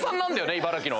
茨城の。